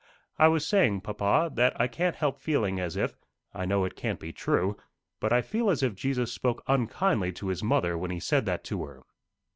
"I was saying, papa, that I can't help feeling as if I know it can't be true but I feel as if Jesus spoke unkindly to his mother when he said that to her."